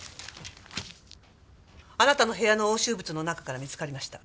あなたの部屋の押収物の中から見つかりました。